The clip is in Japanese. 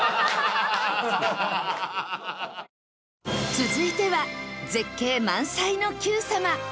続いては絶景満載の『Ｑさま！！』。